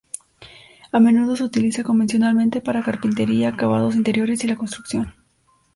A menudo se utiliza convencionalmente para carpintería, acabados interiores y la construcción.